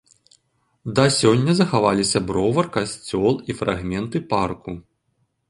Да сёння захаваліся бровар, касцёл і фрагменты парку.